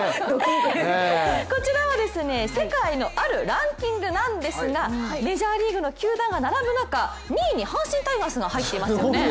こちらは世界のあるランキングなんですがメジャーリーグの球団が並ぶ中２位に阪神タイガースが入っていますよね。